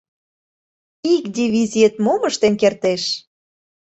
Ик дивизиет мом ыштен кертеш?..